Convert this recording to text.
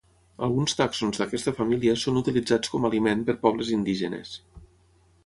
Alguns tàxons d'aquesta família són utilitzats com a aliment per pobles indígenes.